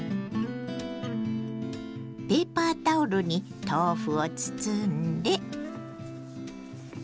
ペーパータオルに豆腐を包んで。